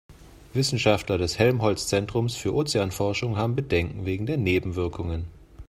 Wissenschaftler des Helmholtz-Zentrums für Ozeanforschung haben Bedenken wegen der Nebenwirkungen.